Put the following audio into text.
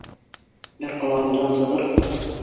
Бер ҡолағымдан сығыр.